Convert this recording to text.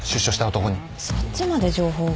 そっちまで情報が？